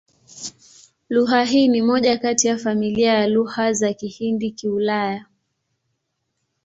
Lugha hii ni moja kati ya familia ya Lugha za Kihindi-Kiulaya.